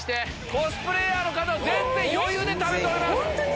コスプレーヤーの方全然余裕で食べております。